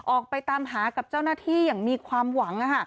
ออกไปตามหากับเจ้าหน้าที่อย่างมีความหวัง